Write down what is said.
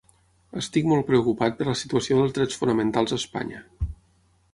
Estic molt preocupat per la situació dels drets fonamentals a Espanya.